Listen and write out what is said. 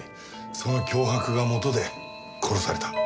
その脅迫がもとで殺された。